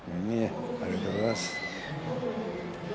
ありがとうございます。